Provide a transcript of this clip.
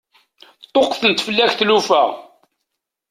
Ṭṭuqqtent fell-ak tlufa.